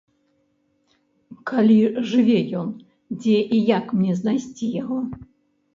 Калі жыве ён, дзе і як мне знайсці яго?